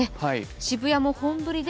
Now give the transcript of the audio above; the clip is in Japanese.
渋谷も本降りで